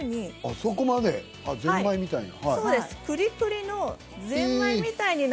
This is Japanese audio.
そこまでぜんまいみたいな。